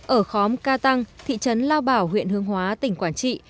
ở khóm ca tăng thị trấn lao bảo huyện hương hóa tỉnh quảng trị